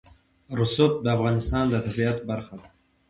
رسوب د افغانستان د طبیعت برخه ده.